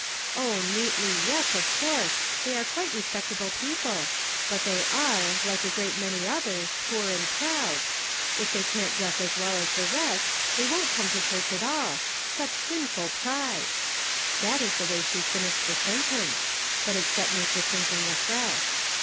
' Oh, neatly ; yes, of course ; they are quite respectable people ; but they are, like a great many others, poor and proud. If they can't dress as well as the rest, they won't come to church at all. Such sinful pride !' That is the way she finished the sentence, but it set me to thinking afresh.